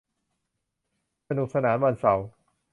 สนุกสนานวันเสาร์